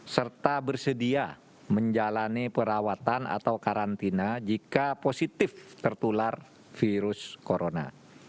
serta bersedia menjalani perawatan atau karantina jika positif tertular virus corona